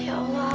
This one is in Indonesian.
ya allah amu